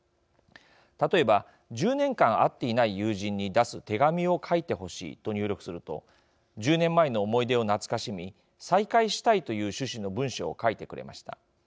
例えば１０年間、会っていない友人に出す手紙を書いてほしいと入力すると１０年前の思い出を懐かしみ再会したいという趣旨の文章を書いてくれました。